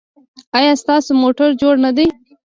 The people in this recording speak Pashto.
ایا ستاسو موټر جوړ نه دی؟